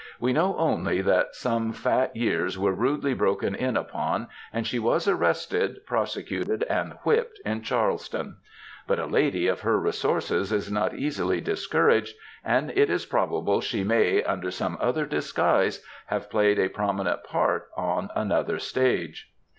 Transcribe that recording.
We know only that some fat years were rudely broken in upon, and she was arrested, prosecuted, and whipped in Charles ton. But a lady of her resources is not easily discouraged, and it is probable she may, under some other disguise, have played a prominent part on another stage.